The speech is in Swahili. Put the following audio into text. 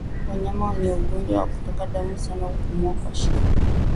Wanyama wenye ugonjwa wa kutoka damu sana hupumua kwa shida